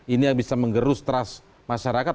ini yang bisa menggerus trust masyarakat